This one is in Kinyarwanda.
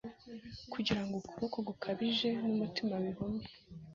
Kugira ngo ukuboko gukabije numutima bihume